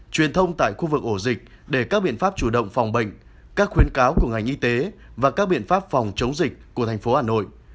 truyền thông tại khu vực ổ dịch để các biện pháp chủ động phòng bệnh các khuyến cáo của ngành y tế và các biện pháp phòng chống dịch của thành phố hà nội